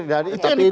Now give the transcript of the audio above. dan itu yang dipakai